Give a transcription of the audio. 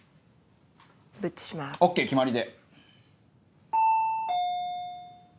ＯＫ決まりで。